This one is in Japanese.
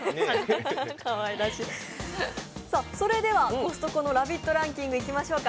コストコのラヴィットランキングいきましょうか。